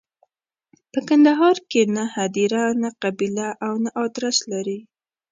په کندهار کې نه هدیره، نه قبیله او نه ادرس لري.